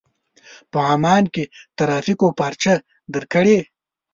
په عمان کې ترافيکو پارچه درکړې.